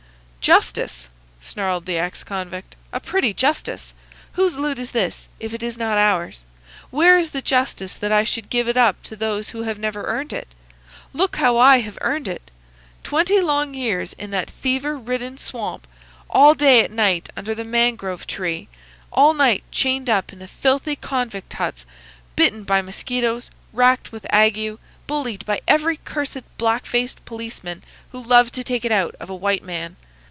"Justice!" snarled the ex convict. "A pretty justice! Whose loot is this, if it is not ours? Where is the justice that I should give it up to those who have never earned it? Look how I have earned it! Twenty long years in that fever ridden swamp, all day at work under the mangrove tree, all night chained up in the filthy convict huts, bitten by mosquitoes, racked with ague, bullied by every cursed black faced policeman who loved to take it out of a white man.